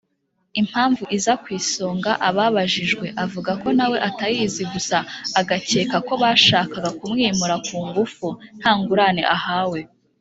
Impamvu iza ku isonga ababajijwe avuga ko nawe atayizi gusa agacyeka ko bashakaga kumwimura kungufu ntangurane ahawe.